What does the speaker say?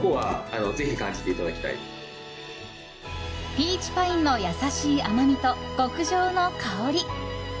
ピーチパインの優しい甘みと極上の香り。